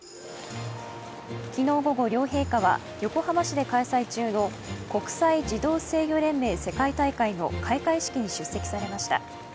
昨日午後、両陛下は横浜市で開催中の国際自動制御連盟世界大会の開会式に出席されました。